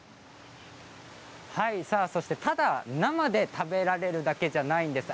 そしてただ生で食べられるだけじゃないんです。